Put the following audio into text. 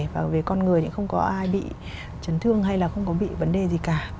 và về con người thì không có ai bị chấn thương hay là không có bị vấn đề gì cả